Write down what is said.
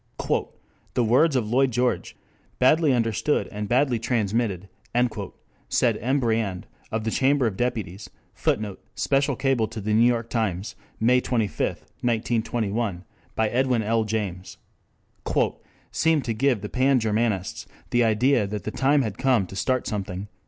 "The words of Lloyd George, badly understood and badly transmitted," said M. Briand to the Chamber of Deputies, [Footnote: Special Cable to The New York Times, May 25, 1921, by Edwin L, James. ] "seemed to give the Pan Germanists the idea that the time had come to start something."